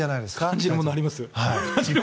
感じるものあります。